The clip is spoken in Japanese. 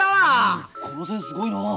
この線すごいなあ。